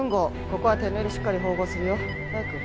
ここは手縫いでしっかり縫合するよ。早く。